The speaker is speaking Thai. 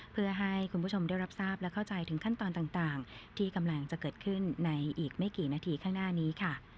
เพื่อให้คุณผู้ชมได้รับทราบและเข้าใจถึงขั้นตอนต่างที่กำลังจะเกิดขึ้นในอีกไม่กี่นาทีข้างหน้านี้ค่ะ